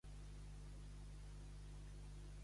No és bo comptar els pollets, perquè se'n moren molts.